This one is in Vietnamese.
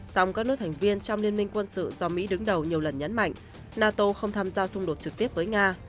song các nước thành viên trong liên minh quân sự do mỹ đứng đầu nhiều lần nhấn mạnh nato không tham gia xung đột trực tiếp với nga